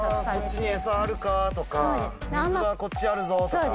そっちに餌あるかとか水はこっちあるぞとか。